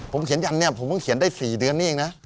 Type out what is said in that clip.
ผมเขียนยันเนี่ยผมเพิ่งเขียนได้๔เดือนนี้เองนะ